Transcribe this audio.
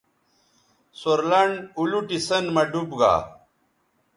سور لنڈ اولوٹی سیئن مہ ڈوب گا